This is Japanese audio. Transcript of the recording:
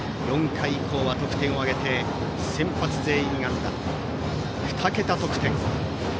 ４回以降は得点を挙げて先発全員安打２桁得点。